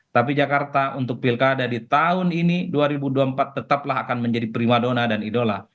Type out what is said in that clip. tapi jakarta untuk pilkada di tahun ini dua ribu dua puluh empat tetaplah akan menjadi prima dona dan idola